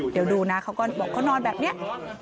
เดี๋ยวดูนะเขาก็นอนแบบเนี้ย